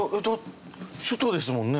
首都ですもんね。